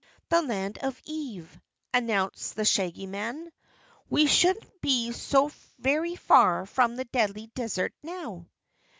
"The Land of Ev," announced the Shaggy Man. "We shouldn't be so very far from the Deadly Desert now."